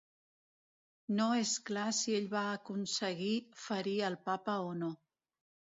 No és clar si ell va aconseguir ferir al Papa o no.